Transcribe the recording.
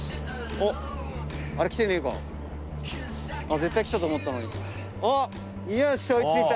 絶対来たと思ったのにあっ。